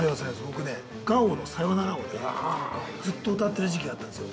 ◆僕ねＧＡＯの「サヨナラ」をねずっと歌ってる時期があったんですよ。